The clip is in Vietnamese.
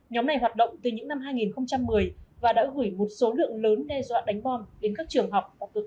nhóm này hoạt động từ những năm hai nghìn một mươi và đã gửi một số lượng lớn đe dọa đánh bom đến các trường học và cơ sở